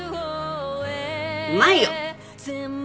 うまいよ！